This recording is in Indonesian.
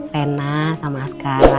rena sama askara